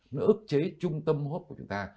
nó ức chế trung tâm hốp của chúng ta